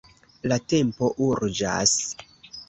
La tempo urĝas.